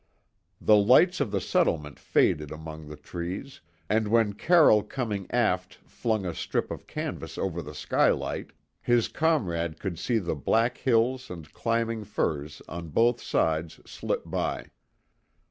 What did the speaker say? The lights of the settlement faded among the trees, and when Carroll coming aft flung a strip of canvas over the skylight, his comrade could see the black hills and climbing firs on both sides slip by.